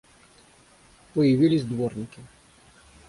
Появились дворники.